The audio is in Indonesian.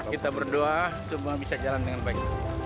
kita berdoa semua bisa jalan dengan baik